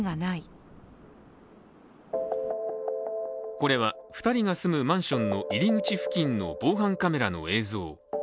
これは２人が住むマンションの入り口付近の防犯カメラの映像。